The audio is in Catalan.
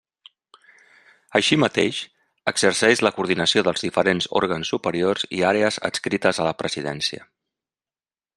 Així mateix, exerceix la coordinació dels diferents òrgans superiors i àrees adscrites a la Presidència.